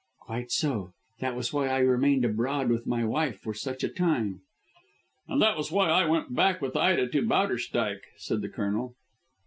"Quite so. That was why I remained abroad with my wife for such a time." "And that was why I went back with Ida to Bowderstyke," said the Colonel.